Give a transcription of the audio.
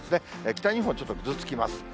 北日本、ちょっとぐずつきます。